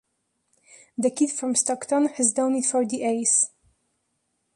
The kid from Stockton has done it for the A's!